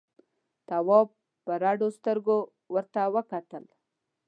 تواب په رډو سترګو ورته وکتل.